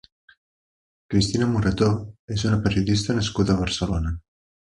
Cristina Morató és una periodista nascuda a Barcelona.